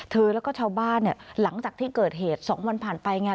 แล้วก็ชาวบ้านเนี่ยหลังจากที่เกิดเหตุ๒วันผ่านไปไง